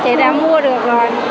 chỉ đã mua được rồi